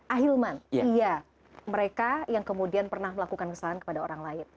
ahilman iya mereka yang kemudian pernah melakukan kesalahan kepada orang lain